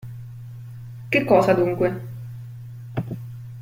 Che cosa, dunque?